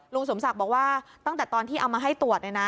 ลุงสมศักดิ์บอกว่าตั้งแต่ตอนที่เอามาให้ตรวจ